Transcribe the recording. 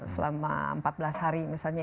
selama empat belas hari misalnya